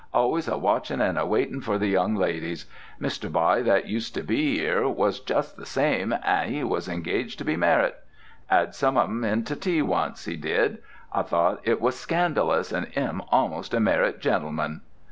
"Always awatchin' and awaitin' for the young ladies. Mr. Bye that used to be 'ere was just the same, an' he was engaged to be marrit. 'Ad some of 'em in to tea once, he did. I thought it was scandalous, and 'im almost a marrit gentleman."